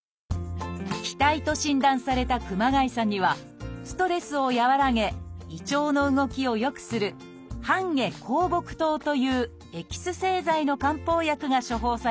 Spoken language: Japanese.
「気滞」と診断された熊谷さんにはストレスを和らげ胃腸の動きを良くする「半夏厚朴湯」というエキス製剤の漢方薬が処方されました。